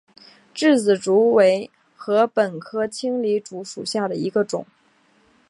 稚子竹为禾本科青篱竹属下的一个种。